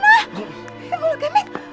ya allah kemet